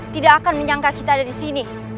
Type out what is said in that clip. tidak akan menyangka kita ada disini